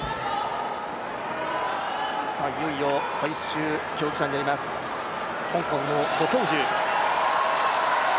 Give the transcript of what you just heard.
いよいよ最終競技者になります香港のゴ・キョウジュ。